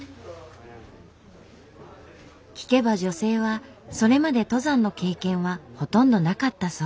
聞けば女性はそれまで登山の経験はほとんどなかったそう。